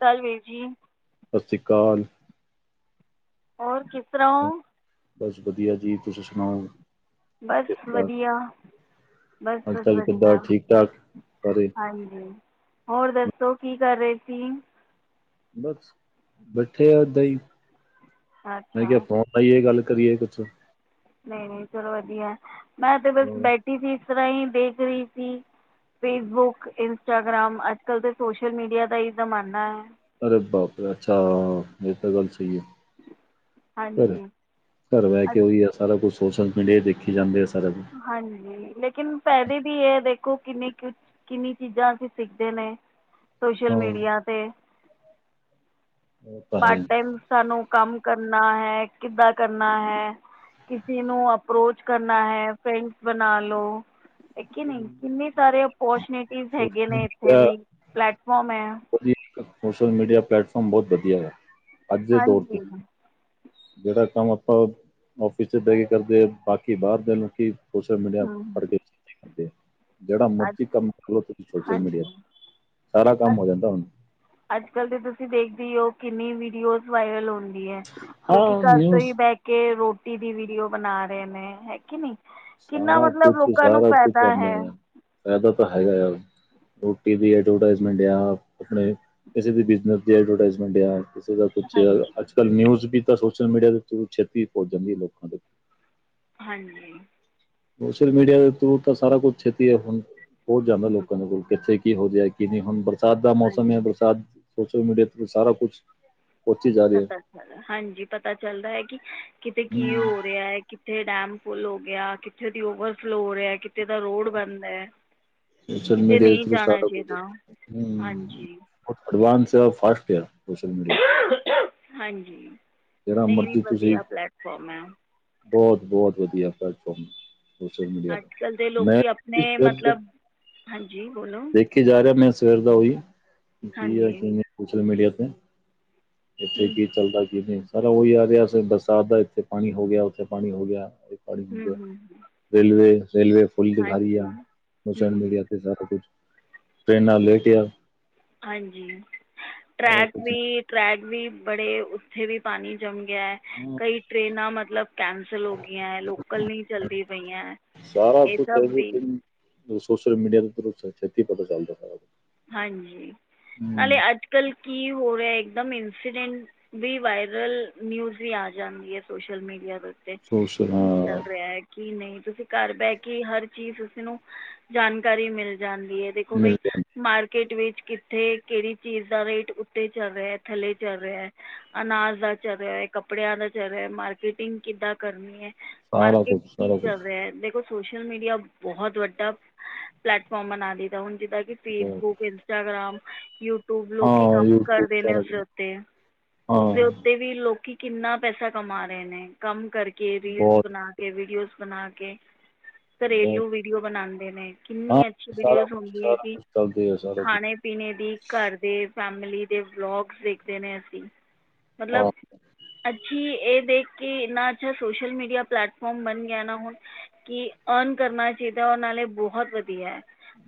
ਕਾਲ ਵੀਰ ਜੀ। ਸਤਿ ਸ਼੍ਰੀ ਅਕਾਲ। ਔਰ ਕਿਸ ਤਰ੍ਹਾਂ ਓ? ਬਸ ਵਧੀਆ ਜੀ, ਤੁਸੀਂ ਸੁਣਾਓ? ਬਸ ਕਿਸ ਤਰ੍ਹਾਂ ਵਧੀਆ, ਬਸ- ਹਾਲ ਬਸ ਚਾਲ ਕਿੱਦਾਂ ਵਧੀਆ। ਠੀਕ ਠਾਕ ਸਾਰੇ ਹਾਂਜੀ। ਹੋਰ ਦੱਸੋ ਕੀ ਕਰ ਰਹੇ ਸੀ? ਬਸ ਬੈਠੇ ਆ ਏਦਾਂ ਹੀ ਮੈਂ ਅੱਛਾ ਕਿਹਾ ਫੋਨ ਲਾਈ ਏ ਗੱਲ ਕਰੀਏ ਕੁਛ। ਨਹੀਂ -ਨਹੀਂ ਚਲੋ ਵਧੀਆ, ਮੈਂ ਤੇ ਬਸ ਹੋਰ, ਬੈਠੀ ਸੀ ਇਸ ਤਰ੍ਹਾਂ ਹੀ ਦੇਖ ਰਹੀ ਸੀ ਫੇਸਬੁਕ, ਇੰਸਟਾਗ੍ਰਾਮ ਅੱਜ- ਕਲ ਤਾਂ ਸੋਸ਼ਲ ਮੀਡੀਆ ਦਾ ਹੀ ਜ਼ਮਾਨਾ ਆ। ਅਰੇ ਬਾਪ ਅੱਛਾ! ਇਹ ਤਾਂ ਗੱਲ ਸਹੀ ਐ। ਫਿਰ ਹਾਂਜੀ ਘਰ ਬਹਿ ਅੱਜ ਕੇ ਉਹੀ ਆ ਸਾਰਾ ਕੁਛ ਸੋਸ਼ਲ ਮੀਡੀਆ ਦੇਖੀ ਜਾਂਦੇ ਆ ਸਾਰਾ ਕੁਛ। ਹਾਂਜੀ, ਲੇਕਿਨ ਫਾਇਦੇ ਵੀ ਇਹ ਦੇਖੋ ਕਿੰਨੇ ਕੁ ਕਿੰਨੀ ਚੀਜ਼ਾਂ ਅਸੀਂ ਸਿੱਖਦੇ ਨੇ, ਹਾਂ ਸੋਸ਼ਲ ਮੀਡੀਆ ਤੇ। [unintelligible] ਉਹ ਤਾਂ ਪਾਰਟ ਹੈ ਟਾਈਮ ਸਾਨੂੰ ਕੰਮ ਕਰਨਾ ਹੈ, ਕਿੱਦਾਂ ਕਰਨਾ ਹੈ? ਕਿਸੇ ਨੂੰ ਅਪਰੋਚ ਕਰਨਾ ਹੈ, ਫਰੈਂਡਸ ਬਣਾ ਲੋੋ। ਹੈ ਕਿ ਨਹੀਂ, ਕਿੰਨੇ ਸਾਰੇ ਓਪੋਰਚੁਨਿਟੀਜ਼ ਹੈਗੇ ਸੋਸ਼ਲ ਨੇ ਇੱਥੇ ਮੀਡੀਆ ਵੀ, ਪਲੈਟਫੋਮ ਹੈ। ਵਧੀਆ, ਸੋਸ਼ਲ ਮੀਡੀਆ ਪਲੇਟਫਾਰਮ ਬਹੁਤ ਵਧੀਆ ਹੈਗਾ, ਅੱਜ ਦੇ ਦੌਰ ਤੇ। ਹਾਂਜੀ ਜਿਹੜਾ ਕੰਮ ਆਪਾਂ ਔਫਿਸ ਚ ਬਹਿ ਕੇ ਕਰਦੇ, ਬਾਕੀ ਬਾਹਰ ਦੇ ਲੋਕੀ ਸੋਸ਼ਲ ਮੀਡੀਆ ਹੂੰ ਤੇ ਕਰ ਕੇ ਕਰਦੇ ਆ ਜਿਹੜਾ ਅੱਜ ਮਰਜੀ ਕੰਮ ਕਰ ਲੋ ਤੁਸੀਂ ਸੋਸ਼ਲ ਮੀਡੀਆ ਹਾਂਜੀ ਤੇ ਸਾਰਾ ਕੰਮ ਅੱਜ ਹੋ ਜਾਂਦਾ ਹੁਣ। ਅੱਜ -ਕੱਲ ਦੇ ਤੁਸੀਂ ਦੇਖਦੇ ਹੀ ਓ, ਕਿੰਨੀ ਵੀਡੀਓਜ਼ ਵਾਇਰਲ ਹੁੰ ਦੀ ਏ, ਲੋਕੀ ਹਾਂ ਘਰ ਤੋਂ ਹੀ ਨਿਊਜ਼ ਬਹਿ ਕੇ ਰੋਟੀ ਦੀ ਵੀਡੀਓ ਬਣਾ ਰਹੇ ਨੇ, ਹੈ ਕਿ ਨਹੀਂ। ਕਿੰਨਾ ਸਾਰਾ ਮਤਲਬ ਲੋਕਾਂ ਨੂੰ ਫਾਇਦਾ ਹੈ। ਫ਼ਾਇਦਾ ਤਾਂ ਹੈਗਾ ਆ, ਰੋਟੀ ਵੀ ਐਡਵਰਟਾਈਜ਼ਮੈਂਟ ਜਾਂ ਆਪਣੇ ਕਿਸੇ ਵੀ ਬਿਜ਼ਨਸ ਐਡਵਰਟਾਈਜ਼ਮੈਂਟ ਜਾਂ ਕਿਸੇ ਦਾ ਕੁਛ ਹਾਂਜੀ ਅੱਜ ਕੱਲ ਨਿਊਜ਼ ਵੀ ਤਾਂ ਸੋਸ਼ਲ ਮੀਡੀਆ ਦੇ ਰੂਪ ਚ ਛੇਤੀ ਪੁੱਜ ਜਾਂਦੀ ਹੈ ਲੋਕਾਂ ਦੇ ਕੋਲ। ਹਾਂਜੀ। ਸੋਸ਼ਲ ਮੀਡੀਆ ਦੇ ਥਰੂ ਤਾਂ ਸਾਰਾ ਕੁਛ ਛੇਤੀ ਆ ਹੁਣ ਪਹੁੰਚ ਜਾਂਦਾ ਹੂੰ ਲੋਕਾਂ ਦੇ ਕੋਲ। ਕਿੱਥੇ ਕੀ ਹੋ ਜਾਏ ਕੀ ਨਹੀਂ ਹੁਣ ਬਰਸਾਤ ਦਾ ਹਾਂਜੀ ਮੌਸਮ ਐ ਬਰਸਾਤ ਸੋਸ਼ਲ ਮੀਡੀਆ ਤੋਂ ਸਾਰਾ ਕੁਛ ਤੇ ਪਤਾ ਚਲਾ ਹਾਂਜੀ ਪਤਾ ਚੱਲਦਾ ਐ ਕਿ ਕਿਤੇ ਕੀ ਹੂੰ ਹੋ ਰਿਹਾ ਐ ਕਿੱਤੇ ਏ ਡੈਮ ਫੁਲ ਹੋ ਗਿਆ ਕਿੱਥੇ ਦੀ ਈ ਓਵਰ ਫਲੋ ਹੋ ਰਿਹਾ ਕਿੱਥੇ ਦਾ ਰੋਡ ਬੰਦ ਐ ਸੋਸ਼ਲ ਮੀਡੀਆ ਦੇ ਥਰੂ ਸਟਾਟਪ ਹੋ ਗਿਆ ਹੂੰ ਹਾਂਜੀ ਪਰ ਐਡਵਾਂਸ ਐ ਫਾਸਟ ਐ ਸੋਸ਼ਲ ਮੀਡੀਆ ਹਾਂਜੀ ਜਿਹੜਾ ਨਹੀਂ ਨਹੀਂ ਮਰਜ਼ੀ ਤੁਸੀਂ ਵਧੀਆ ਪਲੈਟਫੋਮ ਐ ਬਹੁਤ ਬਹੁਤ ਵਧੀਆ ਪਲਟੇਫੋਰਮ ਅੱਜ ਕੱਲ੍ਹ ਦੇ ਲੋਕੀ ਈ ਇਸ ਆਪਣੇ ਦਰ ਮਤਲਬ ਹਾਂਜੀ ਬੋਲੋ ਓ ਦੇਖੀ ਜਾ ਰਿਹਾ ਮੈਂ ਸਵੇਰ ਦਾ ਉਹੀ ਬੀ ਕੀ ਐ ਹਾਂਜੀ ਕੀ ਨਹੀਂ ਸੋਸ਼ਲ ਮੀਡੀਆ ਤੇ ਏ ਇੱਥੇ ਹੂੰ ਕੀ ਚੱਲਦਾ ਕੀ ਨਹੀਂ ਸਾਰਾ ਉਹੀ ਆ ਰਿਆ ਬਰਸਾਤ ਦਾ ਇੱਥੇ ਪਾਣੀ ਹੋ ਗਿਆ ਉੱਥੇ ਪਾਣੀ ਹੋ ਗਿਆ ਪਾਣੀ ਹੋ ਹੂ, ਗਿਆ ਹੂੰ ਹੂੰ ਰੇਲਵੇ ਰੇਲਵੇ ਫੁੱਲ ਦਿਖਾ ਰਈ ਹਾਂਜੀ ਆ ਸੋਸ਼ਲ ਹੂੰ ਮੀਡੀਆ ਤੇ ਸਾਰਾ ਕੁਝ ਟ੍ਰਰੇਨਾਂ ਲੇਟ ਐ ਹਾਂਜੀ ਸਾਰਾ ਟਰੈਕ ਕੁਛ ਵੀ ਈ ਟਰੈਕ ਵੀ ਬੜੇ ਉੱਥੇ ਵੀ ਪਾਣੀ ਜੰਮ ਗਿਆ ਐ ਹਾਂ, ਕਈ ਟਰੇਨਾਂ ਮਤਲਬ ਕੈਂਸਲ ਹੋ ਗਈਆਂ ਏ ਲੋਕਲ ਨਹੀਂ ਚੱਲਦੀ ਪਈਆਂ ਸਾਰਾ ਇਹ ਕੁਛ ਐ ਸਭ ਵੀ ਲੇਕਨ ਸੋਸ਼ਲ ਮੀਡੀਆ ਦੇ ਥਰੂ ਛੇਤੀ ਪਤਾ ਚੱਲਦਾ ਸਾਰਾ ਕੁਛ ਹਾਂਜੀ ਨਾਲੇ ਹਮ, ਅੱਜ ਕੱਲ੍ਹ ਕੀ ਹੋ ਰਿਹਾ ਇੱਕਦਮ ਇੰਸੀਡੈਂਟ ਆ ਵੀ ਵਾਇਰਲ ਨਿਊਜ ਵੀ ਆ ਜਾਂਦੀ ਐ ਸੋਸ਼ਲ ਮੀਡੀਆ ਦੇ ਉਤੇ ਦੇਖ ਸੋਸ਼ਲ ਕੀ ਹਾਂ ਚੱਲ ਰਿਹਾ ਐ ਕੀ ਨਹੀਂ ਤੁਸੀਂ ਘਰ ਬਹਿ ਕੇ ਹਰ ਚੀਜ਼ ਤੁਸੀ ਨੂੰ ਜਾਣਕਾਰੀ ਮਿਲ ਜਾਂਦੀ ਐ ਦੇਖੋ ਮਿਲ ਬਾਈ ਜਾਂਦਾ ਮਾਰਕੀਟ ਵਿਚ ਕਿੱਥੇ ਕਿਹੜੀ ਚੀਜ਼ ਦਾ ਰੇਟ ਉੱਤੇ ਚਲ ਰਿਹਾ ਆ ਥੱਲੇ ਚੱਲ ਰਿਹਾ ਆ ਅਨਾਜ ਦਾ ਚੱਲ ਰਿਹਾ ਐ ਕੱਪੜਿਆਂ ਦਾ ਚੱਲ ਰਿਹਾ ਐ ਮਾਰਕੀਟਿੰਗ ਕਿੱਦਾਂ ਕਰਨੀ ਐ ਸਾਰਾ ਮਾਰਕੀਟ ਕੁਛ ਚ ਕੀ ਸਾਰਾ ਕੁਛ ਚੱਲ ਰਿਹਾ ਦੇਖੋ' ਓ ਸੋਸ਼ਲ ਮੀਡੀਆ ਬਹੁਤ ਵੱਡਾ ਪਲੈਟਫਾਰਮ ਬਣਾ ਦਿੱਤਾ ਹੁਣ ਜਿੱਦਾਂ ਕਿ ਬਹੁਤ ਫੇਸਬੁੱਕ ਇ ਇੰਸਟਾਗ੍ਰਾਮ ਯੂਟਿਊਬ ਲੋਕੀ ਹਾਂ ਕੰਮ ਯੂਟਿਊਬ ਕਰਦੇ ਨੇ ਸਾਰਾ ਉਸ ਕੁਛ ਉੱਤੇ ਏ ਉਸਦੇ ਉ ਹਾਂ ਉਤੇ ਵੀ ਲੋਕੀ ਕਿੰਨਾ ਪੈਸਾ ਕਮਾ ਰਹੇ ਨੇ ਕੰਮ ਕਰਕੇ ਰੀਲਸ ਬਹੁਤ ਬਣਾ ਕੇ ਵੀਡੀਓਜ਼ ਬਣਾ ਕੇ ਬਹੁਤ ਘਰੇਲੂ ਵੀਡੀਓ ਬਣਾਦੇ ਨੇ ਹਾਂ ਕਿਨੀ ਅੱਛੀ ਸਾਰਾ ਵੀਡੀਓ ਕੁਛ ਹੁੰਦੀ ਐ ਸਾਰਾ ਕਿ ਕੁਛ ਚੱਲਦੇ ਏ ਸਾਰਾ ਕੁਛ ਤੀਣੇ ਦੀ ਘਰ ਦੇ ਫੈਮਲੀ ਦੇ ਬਲੋਕ ਦੇਖਦੇ ਨੇ ਅਸੀ ਈ ਹਾਂ ਮਤਲਬ ਅੱਛੀ ਇਹ ਦੇਖ ਕੇ ਇਨਾ ਜੇ ਸੋਸ਼ਲ ਮੀਡੀਆ ਪਲੈਟਫੋਰਮ ਬਣ ਗਿਆ ਨਾ ਹੁਣ ਕਿ ਅਰਨ ਕਰਨਾ ਚਾਹੀਦਾ ਉਹ ਨਾਲੇ ਬਹੁਤ ਵਧੀਆ ਐ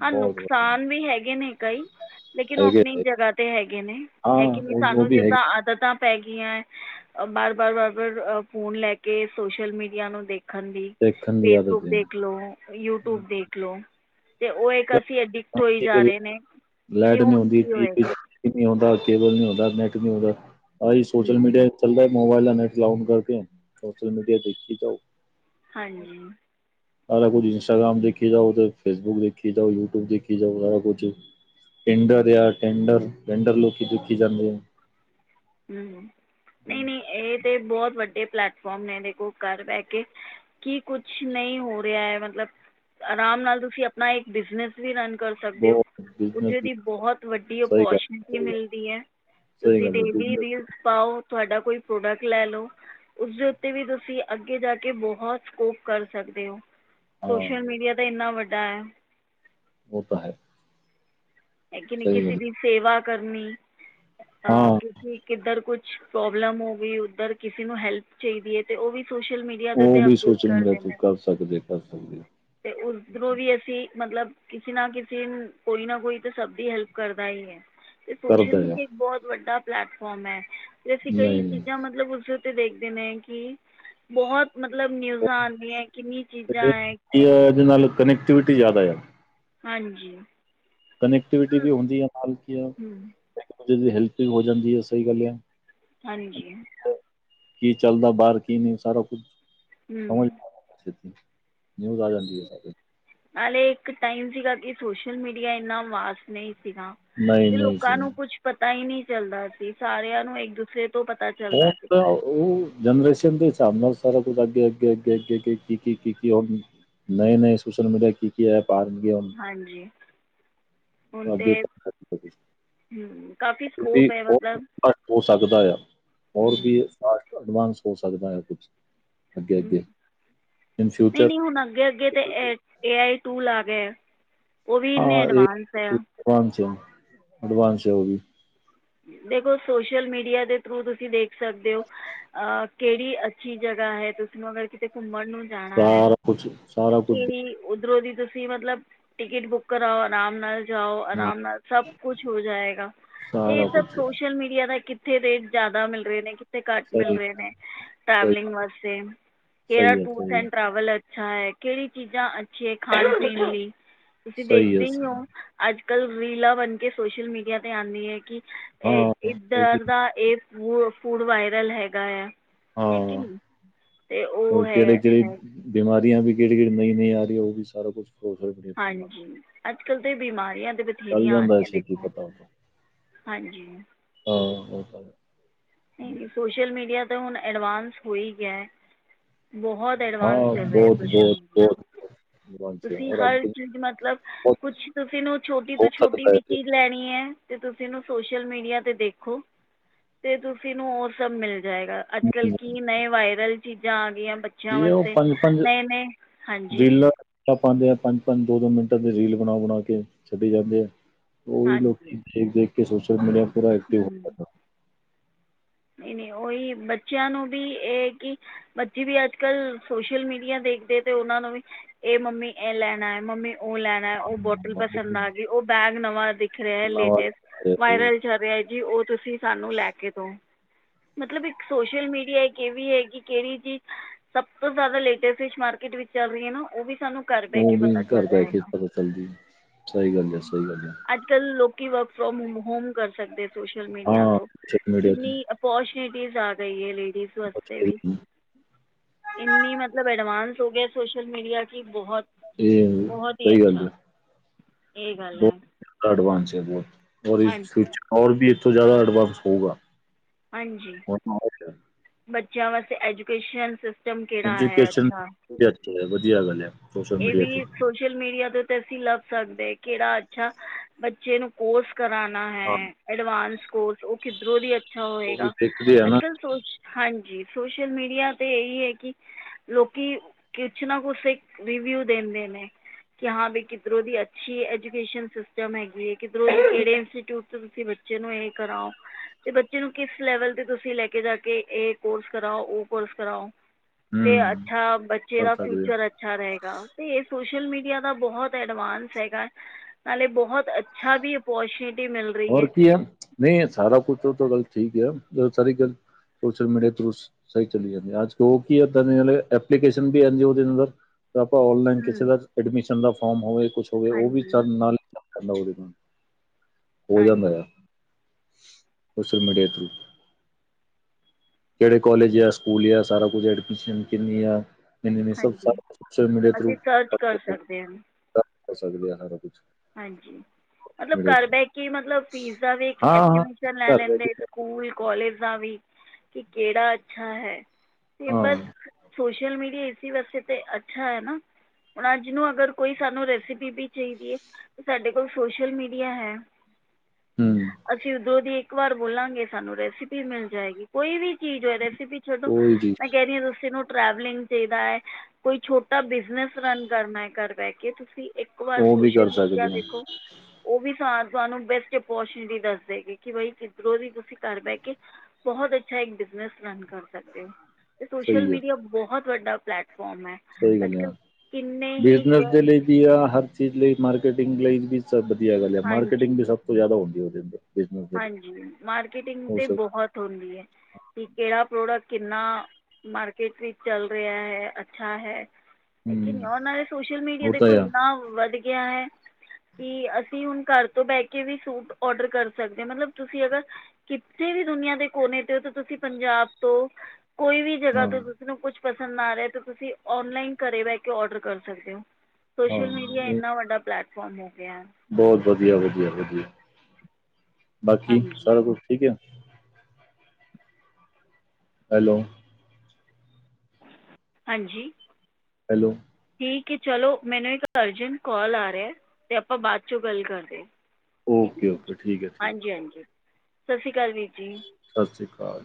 ਆ ਬਹੁਤ ਨੁਕਸ ਵਧੀਆ ਸਾਨ ਵੀ ਹੈਗੇ ਨੇ ਕਈ ਸਾ ਲੇਕਿਨ ਉਹ ਹੈਗੇ ਆਪਣੀ ਹੈਗੇ ਜਗ੍ਹਾ ਤੇ ਹੈਗੇ ਨੇ ਐ ਹਾਂ, ਕਿ ਨਹੀ ਉਹ ਉਹ ਸਾਨੂੰ ਵੀ ਹੈਗੀ ਜਿੱਦਾਂ ਆਦਤ ਤਾ ਆ ਪੈ ਗੀਆਂ ਬਾਰ ਬਾਰ ਬਾਰ ਬਾਰ ਫੋਨ ਲੈ ਕੇ ਸੋਸ਼ਲ ਮੀਡੀਆ ਨੂੰ ਦੇਖਣ ਦੀ ਦੇਖਣ ਦੀ ਆਦਤ ਫੇਸਬੁੱਕ ਹੈ। ਦੇਖਲੋ ਓ ਯੂਟਿਊਬ ਦੇਖਲੋ ਓ ਤੇ ਉਹ ਇਕ ਅਸੀ ਐਡੀ ਈ ਟੋਈ ਜਾ ਰਹੇ ਨੇ ਕਿ ਹੁਣ ਕੀ ਹੋਏਗਾ ਕੀ ਨੀ ਹੁੰਦਾ ਕੇਬਲ ਨੀ ਹੁੰਦਾ ਨੈਟ ਨੀ ਹੁੰਦਾ ਆ ਸੋਸ਼ਲ ਹੂੰ, ਮੀਡੀਆ ਚੱਲ ਆ ਮੋਬਾਈਲ ਜਾਂ ਨੈਟ ਲੋਨ ਕਰਕੇ ਸੋਸ਼ਲ ਮੀਡੀਆ ਦੇਖੀ ਜਾਓ ਹਾਂਜੀ ਈ ਸਾਰਾ ਕੁਝ ਐ ਇਸਟਾਗ੍ਰਾਮ ਦੇਖ ਜਾਓ ਫੇਸਬੁੱਕ ਦੇਖੀ ਜਾਓ ਯੂਬ ਦੇਖੀ ਜਾਓ ਸਾਰਾ ਕੁਛ ਈ ਟਡਰ ਟੈਂਡਰ ਐ ਟੈਂਡਰ ਲੋਕੀ ਦੇਖੀ ਜਾਦੇ ਆ ਹਮ! ਨਹੀਂ-ਨਹੀਂ ਇਹ ਤੇ ਬਹੁਤ ਵਡੇ ਪਲੈਟਫਾਰਮ ਨੇ, ਦੇਖੋ, ਘਰ ਬਹਿ ਕੇ ਕੀ ਕੁੱਛ ਨਹੀ ਹੋ ਰਿਹਾ ਹੈ, ਮਤਲਬ ਆਰਾਮ ਨਾਲ ਤੁਸੀ ਆਪਣਾ ਇਕ ਬਿਜ਼ਨਸ ਵੀ ਰਨ ਕਰ ਸਕਦੇ ਹੋ, ਬਹੁਤ ਉਥੇ ਬਿਜਨਸ ਓਹਦੀ ਬਹੁਤ ਵਡੀ ਸਹੀ ਗੱਲ ਅਓਪੋਰਚੁਨਿਟੀ ਸਹੀ ਗੱਲ ਮਿਲਦੀ ਹੈ। ਸਹੀ ਗੱਲ ਹੈ, ਬੀ ਗਿਫਟ ਪਾਓ, ਤੁਹਾਡਾ ਕੋਈ ਪ੍ਰੋਡਕਟ ਲੈ ਲੋ ਉਸਦੇ ਉਤੇ ਵੀ ਤੁਸੀ ਅਗੇ ਜਾ ਕੇ ਬਹੁਤ ਸਕੋਪ ਕਰ ਸਕਦੇ ਹੋ। ਸੋਸ਼ਲ ਹਾਂ ਮੀਡੀਆ ਤਾਂ ਇਨਾ ਵੱਡਾ ਐ! ਓ ਤਾਂ ਹੈ। ਐ ਕਿ ਨਹੀ, ਸਹੀ ਗੱਲ ਕਿਸੇ ਦੀ ਹੈ। ਸੇਵਾ ਕਰਨੀ, ਹਾਂ ਅਹ ਕਿ ਕਿੱਧਰ ਕੁਛ ਪ੍ਰੋਬਲਮ ਹੋ ਗਈ, ਉੱਧਰ ਕਿਸੇ ਨੂੰ ਹੈਲਪ ਚਾਹੀਦੀ ਏ, ਤੇ ਉਹ ਵੀ ਸੋਸ਼ਲ ਮੀਡੀਆ ਯਾਂ ਓਦੇ ਉਹ ਤੇ ਵੀ ਅਪਰੁਵ ਸੋਚਣ ਮਿਲਿਆ ਕਰਦੇ ਤੂੰ ਨੇ, ਕਰ ਸਕਦੇ ਕਰ ਸਕਦੇ ਤੇ ਉਧਰੋ ਵੀ ਅਸੀ ਮਤਲਬ ਕਿਸੇ ਨਾ ਕਿਸੇ, ਕੋਈ ਨਾ ਕੋਈ ਤਾਂ ਸਭ ਦੀ ਹੈਲਪ ਕਰਦਾ ਈ ਐ। ਤੇ ਸੋਸ਼ਲ ਕਰਦਾ ਆ ਮੀਡੀਆ ਇਕ ਬਹੁਤ ਵੱਡਾ ਪਲਲੇੈਟਫਾਰਮ ਐ, ਤੇ ਅਸੀ ਕਈ ਨਹੀਂ ਨਹੀਂ ਚੀਜ਼ਾ, ਮਤਲਬ ਉਸ ਤੇ ਦੇਖਦੇ ਨੇ ਕਿ ਬਹੁਤ ਮਤਲਬ ਨਿਊਜ਼ਾ ਆਉਦੀਆਂ, ਕਿਨੀ ਚੀਜਾ ਐ ਇ ਅ--ਇਹਦੇ ਨਾਲੋ ਕਨੇਕਟਿਵਿਟੀ ਜਿਆਦਾ ਆ। ਹਾਂਜੀ। ਕਨੈਕਟੀਵਿਟੀ ਹੂੰ ਵੀ ਹੁੰਦੀ ਆ ਨਾਲ, ਕਿਓਂ ਹੂੰ ਇਕ ਦੂਜੇ ਦੀ ਹੈਲਪ ਵੀ ਹੋ ਜਾਦੀ ਹੈ, ਇਸ ਸਹੀ ਗੱਲ ਏ ਆ! ਹਾਂਜੀ ਕੀ ਚੱਲਦਾ ਬਾਹਰ, ਕੀ ਨੀ, ਸਾਰਾ ਕੁਛ! ਸਮਝ ਹੂੰ [inaudible] ਨਿਊਜ਼ ਆ ਜਾਦੀ ਐ। ਨਾਲੇ ਇਕ ਟਾਈਮ ਸੀਗਾ ਕਿ ਸੋਸ਼ਲ ਮੀਡੀਆ ਇਨਾ ਫਾਸਟ ਨਹੀ ਸੀਗਾ। ਨਹੀਂ ਤੇ ਨਹੀਂ ਲੋਕਾਂ ਸੀ ਨੂੰ ਕੁੱਛ ਪਤਾ ਹੀ ਨਹੀ ਚੱਲਦਾ ਸੀ, ਸਾਰਿਆਂ ਨੂੰ ਇਕ ਦੂਸਰੇ ਤੋ ਪਤਾ ਚੱਲਦਾ ਸੀ ਉਦਾ ਉਹ ਜਨਰੇਸ਼ਨ ਦੇ ਹਿਸਾਬ ਨਾਲ ਸਾਰਾ ਕੁਝ ਅੱਗੇ-ਅੱਗੇ- ਅੱਗੇ-ਅੱਗੇ-ਅੱਗੇ, ਕੀ-ਕੀ ਹੋਣ ਨਏ-ਨਏ ਸੋਸ਼ਲ ਮੀਡੀਆ ਕੀ ਕੀ ਐਪ ਆਣਗੇ ਹੋਰ। ਹਾਂਜੀ, ਹੁਣ ਤੇ ਅੱਗੇ ਹਮ ਕਮ [inaudible] ਘੱਟ ਹੋ ਸਕਦਾ ਆ ਹੋਰ ਹਮ, ਵੀ ਅਡਵਾਂਸ ਹੋ ਸਕਦਾ ਹੈ ਕੁਛ। ਅੱਗੇ ਅੱਗੇ ਇਨ ਫਿਊਚਰ ਨਹੀ-ਨਹੀ ਹੁਣ ਅੱਗੇ ਅੱਗੇ ਤੇ ਐ ਏ ਆਈ ਟੂਲ ਆ ਗਏ, ਉਹ ਵੀ ਇਨੇ ਐਡਵਾਂਸ ਹੈ! ਅਡਵਾਂਸ-ਐਡਵਾਂਸ ਹੈ ਓਵੀ। ਦੇਖੋ, ਸੋਸ਼ਲ ਮੀਡੀਆ ਦੇ ਥਰੂ ਤੁਸੀ ਦੇਖ ਸਕਦੇ ਹੋ ਅ ਕਿਹੜੀ ਅੱਛੀ ਜਗ੍ਹਾ ਹੈ, ਕਿਸੇ ਨੂੰ ਅਗਰ ਕਿਤੇ ਘੁੰਮਣ ਨੂੰ ਸਾਰਾ ਕੁਛ, ਸਾਰਾ ਕੁਛ ਉਧਰੋਂ ਦੀ ਤੁਸੀਂ ਮਤਲਬ ਟਿਕਟ ਬੁੱਕ ਕਰਾਓ, ਆਰਾਮ ਨਾਲ। ਜਾਓ, ਦੇਖਣਾ ਆਰਾਮ ਨਾਲ ਸਭ ਕੁਛ ਹੋ ਜਾਏਗਾ। ਅਤੇ ਇਹ ਸਾਰਾ ਸਭ ਕੁਛ ਸੋਸ਼ਲ ਮੀਡੀਆ ਦਾ ਕਿੱਥੇ ਰੇਟ ਜਿਆਦਾ ਮਿਲ ਰਹੇ ਨੇ, ਕਿ ਥੇ ਘੱਟ ਮਿਲ ਸਹੀ ਰਹੇ ਨੇ ਸਹੀ ਟ੍ਰੇਵਲਿੰਗ ਵਾਸਤੇ, ਕਿਹੜਾ ਸਹੀ ਹੈ ਟੂਰਸ ਐਂਡ ਟੈਵਲ ਐ ਅੱਛਾ, ਹੈ ਕਿਹੜੀ ਚੀਜ਼ਾਂ ਅੱਛੀਆਂ ਖਾਣ-ਪੀਣ ਲਈ, ਤੁਸੀਂ ਸਹੀ ਹੈ ਦੇਖਦੇ ਈ ਸਹੀ ਓ ਹੈ ਅੱਜ-ਕੱਲ੍ਹ ਰੀਲਾਂ ਬਣ ਕੇ ਸੋਸ਼ਲ ਮੀਡੀਆ 'ਤੇ ਆਂਦੀਆ ਐ ਹਾਂ ਉਹ ਵੀ ਇਧਰ ਦਾ ਇਹ ਫੂਡ-ਫੂਡ ਵਾਇਰਲ ਹੈਗਾ ਆ। ਹੈ ਕਿ ਹਾਂ ਨਹੀਂ ਅਤੇ ਹੋਰ ਉਹ ਹੈ ਕਿਹੜੀ-ਕਿਹੜੀ ਹੈ ਬਿਮਾਰੀਆਂ ਆਂਦੀ ਕਿਹੜੀ-ਕਿਹੜੀ ਨਹੀਂ ਨਹੀਂ ਆ ਰਹੀ ਉਹ ਵੀ ਸਾਰਾ ਕੁਛ ਪ੍ਰੋਫੈਸਰ ਬੜੇ ਹਾਂਜੀ, ਅੱਜ-ਕੱਲ੍ਹ ਤੇ ਬਿਮਾਰੀਆਂ ਦੇ ਵੀ ਚੱਲ ਜੇਰੀਆਂ ਆਣ ਜਾਂਦਾ ਹੈ ਗਇਆ ਛੇਤੀ ਦੇਖੋ, ਪਤਾ ਉਹ ਤਾਂ ਹਾਂਜੀ। ਹਾਂ ਓਤਾਂ ਹੈ। ਨਹੀਂ ਸੋਸ਼ਲ ਮੀਡੀਆ ਤਾਂ ਹੁਣ ਅਡਵਾਂਸ ਹੋ ਹੀ ਗਿਆਂ ਏ ਬਹੁਤ ਐਡਵਾਂਸ ਚੱਲ ਹਾਂ ਰਿਹਾ ਬਹੁਤ ਸੋਸ਼ਲ ਬਹੁਤ ਮੀਡੀਆ ਬਹੁਤ ਐਡਵਾਂਸ ਹੈ ਤੁਸੀਂ ਔਰ ਹਰ ਅੱਗੇ ਵੀ ਚੀਜ਼ ਮਤਲਬ ਬਹੁਤ ਕੁਛ ਤੁਸੀਂ ਨੂੰ ਛੋਟੀ ਹੋ ਤੋਂ ਛੋਟੀ ਸਕਦਾ ਵੀ ਹੈ ਚੀਜ਼ ਲੈਣੀ ਹੈ ਤੇ ਤੁਸੀਂ ਇਹਨੂੰ ਸੋਸ਼ਲ ਮੀਡੀਆ ਤੇ ਦੇਖੋ ਤੇ ਤੁਸੀਂ ਕਿਸੇ ਨੂੰ ਹੋਰ ਸਭ ਮਿਲ ਜਾਏਗਾ, ਅੱਜ ਕੱਲ ਮਿਲ ਕੀ ਨਵੇਂ ਵਾਇਰਲ ਚੀਜ਼ਾਂ ਆ ਗਈਆਂ ਬੱਚੇ ਬੱਚੇਆ ਇਹ ਉਹ ਵਾਸੇ ਪੰਜ ਪੰਜ ਨਏ-ਨਏ ਹਾਂਜੀ। ਰੀਲਾਂ ਪਾਉਂਦੇ ਆ ਪੰਜ ਦੋ-ਦੋ ਮਿੰਟਾਂ ਦੇ ਰੀਲ ਬਣਾ, ਬਣਾ ਕੇ ਛੱਟੀ ਜਾਂਦੇ ਆ। ਉਹਹੀ ਹਾਂਜੀ ਲੋਕੀ ਦੇਖ-ਦੇਖ ਕੇ ਸੋਸ਼ਲ ਮੀਡੀਆ ਪਰਾ ਐਕਟਿਵ ਹੂੰ ਨਹੀਂ, ਨਹੀਂ ਉਹੀ ਬੱਚਿਆਂ ਨੂੰ ਵੀ ਇਹ ਕਿ ਬੱਚੀ ਵੀ ਅੱਜ ਕੱਲ ਸੋਸ਼ਲ ਮੀਡੀਆ ਦੇਖਦੇ ਤੇ ਉਹਨਾਂ ਨੂੰ ਵੀ ਇਹ ਮੰਮੀ ਇਹ ਲੈਣਾ ਮੰਮੀ ਉਹ ਲੈਣਾ, ਉਹ ਬੋਟਲ ਪਸੰਦ ਜਾਂਦਾ ਆ ਗਈ, ਉਹ ਬੈਗ ਨਵਾਂ ਦਿਖ ਰਿਹਾ ਹੈ ਨਵਾਂ ਲੇਟਸਟ ਹੈ ਉਹ- ਵਾਇਰਲ ਚਲ ਰਿਹਾ ਜੀ ਉਹ ਤੁਸੀਂ ਸਾਨੂੰ ਲੈ ਕੇ ਦੋ। ਮਤਲਬ ਇੱਕ ਸੋਸ਼ਲ ਮੀਡੀਆ ਇੱਕ ਇਹ ਵੀ ਹੈਗੀ ਕਿਹੜੀ ਚੀਜ਼ ਸਭ ਤੋਂ ਜ਼ਿਆਦਾ ਲੇਟਸਟ ਫਿਸ਼ ਮਾਰਕੀਟ ਵਿੱਚ ਚੱਲ ਰਹੀ ਹੈ ਨਾ ਉਹ ਵੀ ਸਾਨੂੰ ਘਰ ਬਹਿ ਕੇ ਉਹ ਵੀ ਪਤਾ ਘਰ ਚੱਲਦਾ ਜਾ ਕੇ ਹੈਗਾ ਪਤਾ ਚੱਲਦੀ ਸਹੀ ਗੱਲ ਹੈ, ਸਹੀ ਗੱਲ ਏ। ਅੱ ਕੱਲ ਲੋਕੀ ਵਰਕ ਫਰੋਮ ਹੋਮ ਕਰ ਸਕਦੇ ਸੋਸ਼ਲ ਮੀਡੀਆ ਹਾਂ ਤੋਂ ਸੋਸ਼ਲ ਮੀਡੀਆ ਤੇ ਕਿੰਨੀ [unintelligible] ਏਸ ਵਾਤੇ ਵੀ ਬਥੇਰੀ ਇੰਨੀ ਮਤਲਬ ਐਡਵਾਂਸ ਹੋ ਗਿਆ। ਸੋਸ਼ਲ ਮੀਡੀਆ ਕੀ ਇਹ ਬਹੁਤ-ਬਹੁਤ ਹੀ ਸਹੀ ਅੱਛਾ ਗੱਲ ਹੈ ਇਹ ਗੱਲ ਹੈ। ਬਹੁਤ ਐਡਵਾਂਸ ਹੈ ਬਹੁਤ ਔਰ ਇਸ ਹਾਂ ਫਿਚਾਰ ਵਿੱਚ ਇੱਥੋਂ ਜ਼ਿਆਦਾ ਐਡਵਾਂਸ ਹੋਊਗਾ। ਹਾਂਜੀ ਹੁਣ ਬੱਚਿਆਂ ਵਾਸਤੇ ਐਜੂਕੇਸ਼ਨ ਕਿਹੜਾ ਹੈ ਏਜੂਕੇਸ਼ਨ ਅੱਛਾ [unintelligible] ਵਧੀਆ ਗੱਲ ਹੈ। ਸੋਸ਼ਲ ਇਹ ਮੀਡੀਆ ਤੇ ਵੀ ਸੋਸ਼ਲ ਮੀਡੀਆ ਤੇ ਅਸੀਂ ਲੱਭ ਸਕਦੇ ਕਿਹੜਾ ਅੱਛਾ ਬੱਚੇ ਨੂੰ ਕੋਰਸ ਕਰਾਣਾ ਹਾਂ ਹੈ ਅਡਵਾਂਸ ਕੋਰਸ ਉਹ ਕਿੱਧਰੋਂ ਦੀ ਉਹ ਵੀ ਦੇਖਦੇ ਹੈ ਨਾ। ਸੋਸ਼ਲ ਹਾਂਜੀ ਸੋਸ਼ਲ ਮੀਡੀਆ ਤੇ ਇਹੀ ਹੈ ਕਿ ਲੋਕੀ ਕੁਛ ਨਾ ਕੁਛ ਇੱਕ ਰਿਵਿਊ ਦਿੰਦੇ ਨੇ। ਕਿ ਹਾਂ ਬਾਈ ਕਿਧਰੋਂ ਦੀ ਅੱਛੀ ਐਜੂਕੇਸ਼ਨ ਸਿਸਟਮ ਹੈਗੀ ਹੈ। ਕਿਧਰ ਕਿਹੜੇ ਇੰਸਚਿਊਟ ਤੋਂ ਤੁਸੀਂ ਬੱਚੇ ਬੱਚੇ ਨੂੰ ਇਹ ਕਰਾਓ ਤੇ ਬੱਚੇ ਨੂੰ ਕਿਸ ਲੈਵਲ ਤੇ ਤੁਸੀਂ ਲੈਕੇ ਜਾ ਕੇ ਇਹ ਕੋਰਸ ਕਰਾਓ, ਉਹ ਕੋਰਸ ਕਰਾਓ। ਤੇ ਹੂੰ ਅੱਛਾ ਬੱਚੇ ਕਰ ਦਾ ਸਕਦੇ ਆ ਫਿਊਚਰ ਅੱਛ ਅੱਛਾ ਰਹੇਗਾ। ਤੇ ਇਹ ਸੋਸ਼ਲ ਮੀਡੀਆ ਦਾ ਬਹੁਤ ਐਡਵਾਂਸ ਹੈਗਾ ਨਾਲੇ ਬਹੁਤ ਅੱਛਾ ਵੀ ਪੋਸ਼ ਹੋਰ ਕੀ ਹੈ ਨਹੀਂ ਸਾਰਾ ਕੁਛ ਉਹ ਤਾਂ ਗੱਲ ਠੀਕ ਹੈ ਸਾਰੀ ਗੱਲ ਸੋਸ਼ਲ ਮੀਡੀਆ ਥਰੂ ਸਹੀ ਚਲੀ ਜਾਂਦੀ ਅੱਜ ਜੋਪ ਇਦਾ ਦੇ ਆਪਲਿਕੇਸਨ ਏਜ ਓਦਾਂ ਆਪਾਂ ਔਨਲਾਈਨ ਹਮ, ਕਿਸੇ ਦਾ ਐਡਮਿਸ਼ਨ ਦਾ ਫੋਮ ਹੋਵੇ ਕੁਛ ਹੋਵੇ ਉਹ ਵੀ ਹਾਂਜੀ ਨਾਲ ਓਦੇ ਨਾਲ ਹੋ ਜਾਂਦਾ ਹਾਂਜੀ ਆ ਸੋਸ਼ਲ ਮੀਡੀਆ ਥਰੂ। ਕਿਹੜੇ ਕਾਲਜ ਆ, ਸਕੂਲ ਆ ਸਾਰਾ ਕੁਛ ਐਡਮਿਸ਼ਨ ਕਿੰਨੀ ਆ। ਹਾਂਜੀ ਅਸੀਂ ਸਰਚ ਕਰ ਸਕਦੇ ਹਾਂ [unintelligible] ਹਾਂਜੀ ਮਤਲਬ ਮੀਡੀਆ ਘਰ ਥਰੂ ਬੈਠ ਕੇ ਮਤਲਬ ਫੀਸ ਦਾ ਵੀ ਇਕ ਹਾਂ ਹਾਂ ਐਸਟੀਮੇਸ਼ਨ ਲੈ ਕਰ ਲੈਂਦੇ। ਰਹੇ ਸਕੂਲ, ਕਾੱਲਜ ਦਾ ਵੀ ਕਿ ਕਿਹੜਾ ਅੱਛਾ ਹੈ? ਤੇ ਬਸ ਹਾਂ ਸੋਸ਼ਲ ਮੀਡੀਆ ਇਸੀ ਵਾਸਤੇ ਤੇ ਅੱਛਾ ਹੈ ਨਾ। ਹੁਣ ਅੱਜ ਨੂੰ ਅਗਰ ਕੋਈ ਸਾਨੂੰ ਰੈਸਪੀ ਵੀ ਚਾਹੀਦੀ ਏ ਤੇ ਸਾਡੇ ਕੋਲ ਸੋਸ਼ਲ ਮੀਡੀਆ ਹੈ। ਹੂੰ, ਅਸੀ ਉਧਰੋਂ ਦੀ ਏ ਇੱਕ ਵਾਰ ਬੋਲਾਂਗੇ ਸਾਨੂੰ ਰੈਸਪੀ ਮਿਲ ਜਾਏਗੀ। ਕੋਈ ਵੀ ਚੀਜ਼ ਹੋਏ ਰੈਸਿਪੀ ਛੋਡੋ ਉਹੀ ਮੈਂ ਚੀਜ਼ ਕੈਹ ਰਹੀ ਆ ਤੁਸੀ ਨੂੰ ਟੈ੍ਵਲਿੰਗ ਚਾਈਦਾ ਐ, ਕੋਈ ਛੋਟਾ ਬਿਜਨਸ ਰਨ ਕਰਨਾ ਐ ਕਰ ਬੈ ਕੇ, ਤੁਸੀ ਇੱਕ ਇੱਕ ਵਾਰ ਉਹ ਵੀ ਸੋਸ਼ਲ ਕਰ ਮੀਡੀਆ ਸਕਦੇ ਹਾਂ, ਦੇਖੋ ਓਹ ਵੀ ਤਾਂ ਤੁਆਨੂੰ ਬੈਸਟ ਅਪੋਰਚੁਨਿਟੀ ਦੱਸ ਦੇਗੀ ਕਿ ਬਾਈ ਕਿੱਧਰੋਂ ਦੀ ਤੁਸੀਂ ਕਾੱਰ ਬੈ ਕੇ ਬੋਹਤ ਅੱਛਾ ਏਕ ਬਿਜਨਸ ਰਨ ਕਰ ਸਕਦੇ ਓ। ਤੇ ਸੋਸ਼ਲ ਸਹੀ ਮੀਡੀਆ ਬੋਹਤ ਵੱਡਾ ਪਲੈਟਫਾਰਮ ਐ। ਸਈ ਗੱਲ ਆ। ਬਿਜਨਸ ਦੇ ਲਈ ਵੀ ਆ, ਹਰ ਚੀਜ਼ ਲਈ ਮਾਰਕੀਟਿੰਗ ਲਈ ਵੀ ਸਬ ਵਧੀਆ ਗੱਲ ਏ ਮਾਰਕੀਟਿੰਗ ਹਾਂਜੀ ਵੀ ਸਭ ਤੋਂ ਜਾਦਾ ਹੁੰਦੀ ਏ ਓਦੇ ਅੰਦਰ ਬਿਜ਼ਨਸ ਦੇ ਲਈ, ਹਾਂਜੀ ਮਾਰਕੀਟਿੰਗ ਉਹ ਤੇ ਸਭ ਬਹੁਤ ਹੁੰਦੀ ਏ, ਕਿ ਕੇੜਾ ਪ੍ਰੋਡਕਟ ਕਿੰਨਾ ਮਾਰਕੀਟ ਠੀਕ ਚੱਲ ਰਿਹਾ ਹੈ, ਅੱਛਾ ਹੈ। ਲੇਕਿਨ ਹੂੰ, ਓਨਾਂ ਦੇ ਸੋਸ਼ਲ ਮੀਡੀਆ ਉਹ ਤਾਂ ਦੇਖੋ ਆ, ਏਨਾਂ ਵਧ ਗਿਆ ਹੈ ਕਿ ਅਸੀਂ ਹੁਣ ਕਾੱਰ ਤੋਂ ਬੈ ਕੇ ਵੀ ਸੂਟ ਔਡਰ ਕਰ ਸਕਦੇ ਹੋ, ਮਤਲਬ ਤੁਸੀਂ ਅਗਰ ਕਿਤੇ ਵੀ ਦੁਨੀਆਂ ਦੇ ਕੋਨੇ ਚ ਹੋ ਤਾਂ ਤੁਸੀਂ ਪੰਜਾਬ ਤੋਂ ਕੋਈ ਵੀ ਜਗਾ ਤੋਂ ਹਾਂ-ਹਾਂ। ਕਿਸੇ ਨੂੰ ਕੁਛ ਪਸੰਦ ਆ ਰਿਹਾ, ਤੁਸੀ ਔਨਲਈਨ ਕਰੇ ਬੈ ਕੇ ਔਡਰ ਕਰ ਸਕਦੇ ਹੋ। ਸੋਸ਼ਲ ਮੀਡੀਆ ਏਨਾ ਵੱਡਾ ਪਲੈਟਫਾਰਮ ਹੋ ਗਿਆ। ਬੋਤ ਵਧੀਆ-ਵਧੀਆ-ਵਧੀਆ, ਬਾਕੀ ਸਾਰਾ ਹਾਂਜੀ ਕੁਛ ਠੀਕ ਐ? ਹੈਲੋ। ਹਾਂਜੀ। ਹੈਲੋ। ਠੀਕ ਐ ਚਲੋ, ਮੈਨੂੰ ਇੱਕ ਅਰਜੈਂਟ ਕਾਲ ਆ ਰੈਆ ਤੇ ਆਪਾਂ ਬਾਦ ਚੋਂ ਗੱਲ ਕਰਦੇ ਆ। ਓਕੇ-ਓਕੇ, ਠੀਕ ਹੈ-ਠੀਕ ਹੈ, ਹਾਂਜੀ-ਹਾਂਜੀ, ਸਾਸ ਸ੍ਰੀ ਕਾਲ ਵੀਰ ਜੀ। ਸਾਸ ਸ਼੍ਰੀ ਕਾਲ।